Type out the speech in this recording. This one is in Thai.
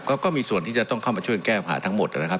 ก็มีส่วนที่จะต้องเข้ามาช่วยแก้ปัญหาทั้งหมดนะครับ